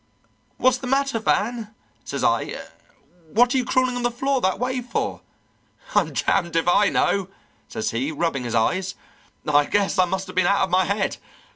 'What's the matter, Van?' says I. 'What are you crawling on the floor that way for?' 'I'm damned if I know,' says he, rubbing his eyes. 'I guess I must have been out of my head.